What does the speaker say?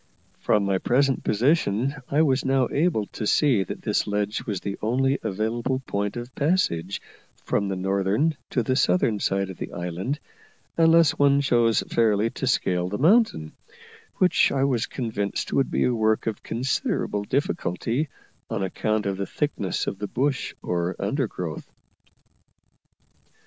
From my present position I was now able to see that this ledge was the only available point of passage from the northern to the southern side of the island unless one chose fairly to scale the mountain, which I was convinced would be a work of considerable difficulty, on account of the thickness of the bush or undergrowth.